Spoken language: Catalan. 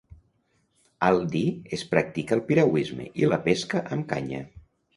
Al Dee es practica el piragüisme i la pesca amb canya.